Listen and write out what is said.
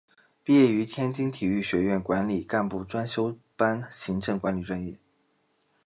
毕业于天津体育学院管理干部专修班行政管理专业。